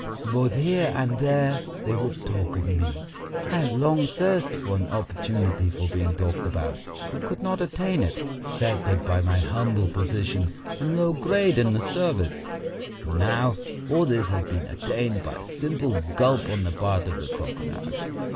Both here and there they will talk of me. I have long thirsted for an opportunity for being talked about, but could not attain it, fettered by my humble position and low grade in the service. And now all this has been attained by a simple gulp on the part of the crocodile.